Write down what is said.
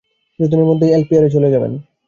কিছুদিনের মধ্যেই এলপিআরে চলে যাবেন।